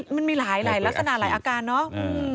มันมีหลายลักษณะหลายอาการเนาะ